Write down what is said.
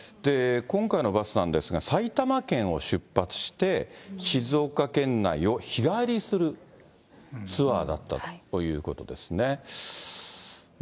今回のバスなんですが、埼玉県を出発して、静岡県内を日帰りするツアーだったということですね。